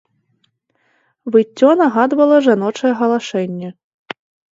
Выццё нагадвала жаночае галашэнне.